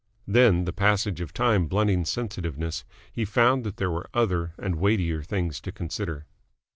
Then, the passage of time blunting sensitiveness, he found that there were other and weightier things to consider.